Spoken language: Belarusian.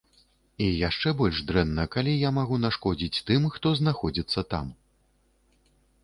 І яшчэ больш дрэнна, калі я магу нашкодзіць тым, хто знаходзіцца там.